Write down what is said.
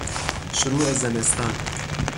شروع زمستان